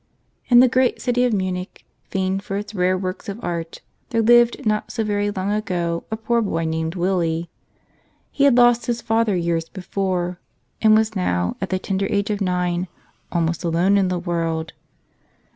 In the great city of Munich, famed for its rare works of art, there lived not so very long ago a poor boy named Willie. He had lost his father years before and was now, at the tender age of nine, almost alone in the world.